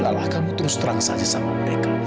lelah kamu terus terang saja sama mereka